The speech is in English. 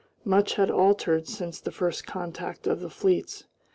Much had altered since the first contact of the fleets.